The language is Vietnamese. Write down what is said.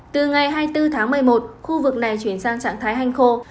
từ ngày hai mươi bốn tháng một mươi một khu vực này chuyển sang trạng thái hanh khô